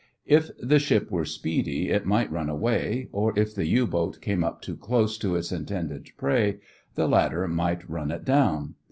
If the ship were speedy it might run away; or if the U boat came up too close to its intended prey, the latter might run it down.